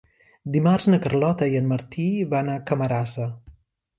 Dimarts na Carlota i en Martí van a Camarasa.